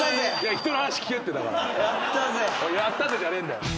「やったぜ」じゃねえんだよ。